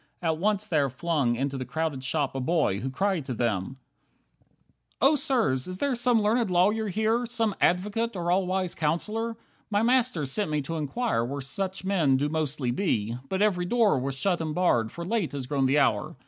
At once there flung Into the crowded shop a boy, who cried to them: 6 "Oh, sirs, is there some learned lawyer here, Some advocate, or all wise counsellor? My master sent me to inquire where Such men do mostly be, but every door Was shut and barred, for late has grown the hour.